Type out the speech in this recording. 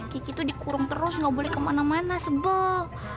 kiki tuh dikurung terus gak boleh kemana mana sebel